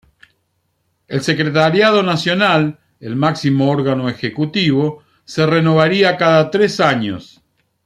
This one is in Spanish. El secretariado nacional, el máximo órgano ejecutivo, se renovaría cada tres años.